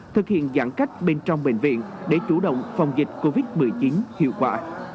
thực hiện giãn cách bên trong bệnh viện để chủ động phòng dịch covid một mươi chín hiệu quả